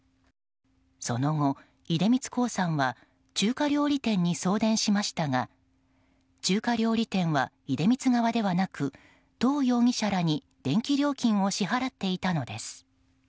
その後、出光興産は中華料理店に送電しましたが中華料理店は出光側ではなくトウ容疑者らに電気料金を支払っていたのです。